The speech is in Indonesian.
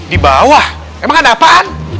di bawah emang ada apaan